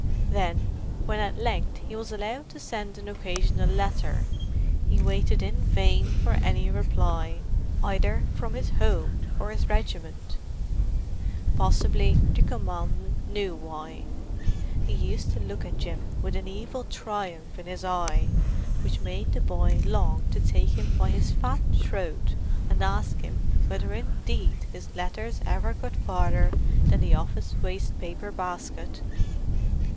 Then, when at length he was allowed to send an occasional letter, he waited in vain for any reply, either from his home or his regiment. Possibly the commandant knew why; he used to look at Jim with an evil triumph in his eye which made the boy long to take him by his fat throat and ask him whether indeed his letters ever got farther than the office waste paper basket.